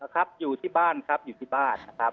ครับอยู่ที่บ้านครับอยู่ที่บ้านนะครับ